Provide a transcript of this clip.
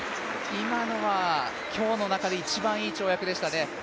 今のは今日の中で一番いい跳躍でしたね。